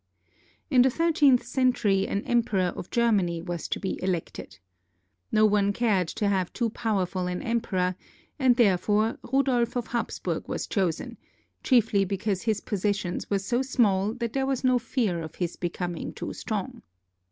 In the thirteenth century, an emperor of Germany was to be elected. No one cared to have too powerful an emperor, and therefore Rudolf of Hapsburg was chosen, chiefly because his possessions were so small that there was no fear of his be coming too strong.